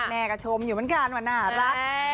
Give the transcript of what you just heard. แม่ก็ชมอยู่เหมือนกันว่าน่ารัก